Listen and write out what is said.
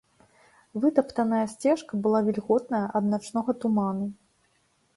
Вытаптаная сцежка была вільготная ад начнога туману.